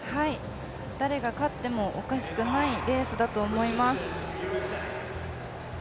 誰が勝ってもおかしくないレースだと思います。